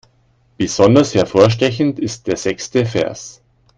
Besonders hervorstechend ist der sechste Vers.